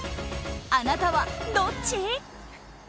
あなたはどっち？